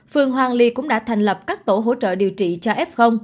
phường hoàng ly cũng đã thành lập các tổ hỗ trợ điều trị cho f